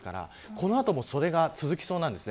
この後もそれが続きそうなんです。